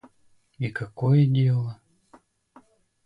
И какое дело...